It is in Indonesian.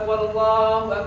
kan kalau sudah yat yang mock